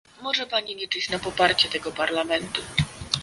może pani liczyć na poparcie tego Parlamentu